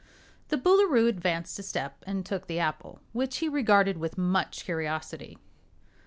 The Boolooroo advanced a step and took the apple, which he regarded with much curiosity.